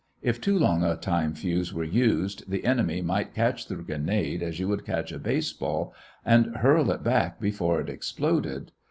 If too long a time fuse were used, the enemy might catch the grenade, as you would a baseball and hurl it back before it exploded.